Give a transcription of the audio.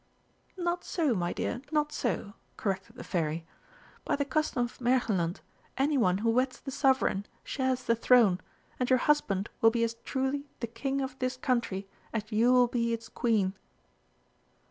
"Not so, my dear, not so," corrected the Fairy, "by the custom of Märchenland, anyone who weds the Sovereign shares the throne, and your husband will be as truly the King of this Country as you will be its Queen."